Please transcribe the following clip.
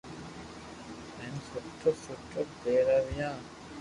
ھين سٺو سٺو پيراويو